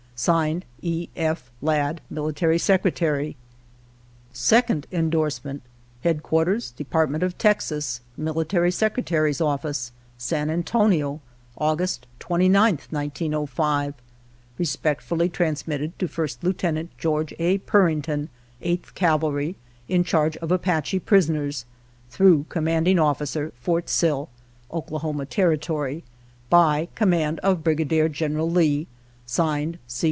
(Signed) E. F. Ladd, Military Secretary. 2d Endorsement. Headquarters Department of Texas, Military Secretary's Office, San Antonio, August 29th, 1905. Respectfully transmitted to 1st Lieut. George A. Purington, 8th Cavalry, In Charge of Apache pris oners. (Thro' Commanding Officer, Fort Sill, O. T.) By Command of Brigadier General Lee. (Signed) C.